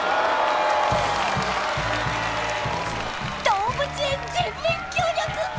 動物園全面協力！